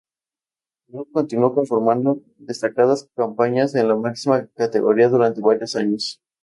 Luego continuó conformando destacadas campañas en la máxima categoría durante varios años.